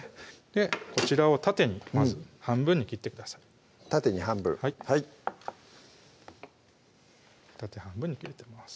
こちらを縦にまず半分に切ってください縦に半分はい縦半分に切れております